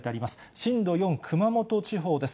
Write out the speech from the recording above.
震度４、熊本地方です。